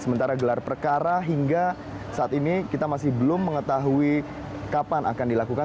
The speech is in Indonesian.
sementara gelar perkara hingga saat ini kita masih belum mengetahui kapan akan dilakukan